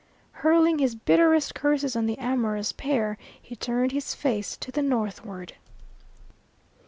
Hurling his bitterest curses on the amorous pair, he turned his face to the northward.